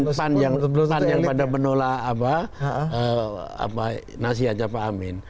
pan yang pada menolak nasihatnya pak amin